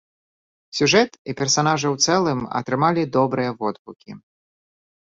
Сюжэт і персанажы ў цэлым атрымалі добрыя водгукі.